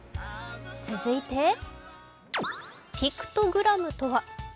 続いて、ピクトグラムとは？